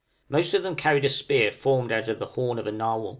Most of them carried a spear formed out of the horn of a narwhal.